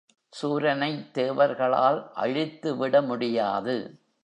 சூரனைத் தேவர்களால் அழித்துவிட முடியாது.